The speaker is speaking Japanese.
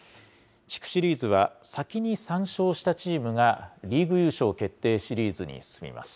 地区シリーズは、先に３勝したチームがリーグ優勝決定シリーズに進みます。